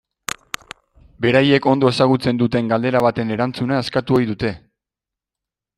Beraiek ondo ezagutzen duten galdera baten erantzuna eskatu ohi dute.